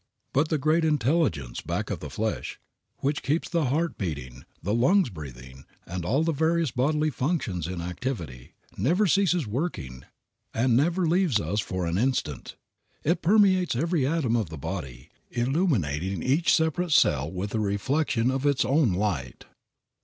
But the great Intelligence back of the flesh, which keeps the heart beating, the lungs breathing, and all of the various bodily functions in activity, never ceases working, and never leaves us for an instant. It permeates every atom of the body, illuminating each separate cell with a reflection of its own light.